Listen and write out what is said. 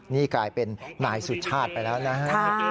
นี่กลายเป็นนายสุชาติไปแล้วนะฮะ